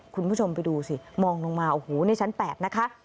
คุณผู้ชมไปดูสิมองลงมาโอ้โหในชั้น๘นะคะ